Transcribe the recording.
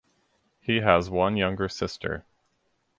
He has one younger sister.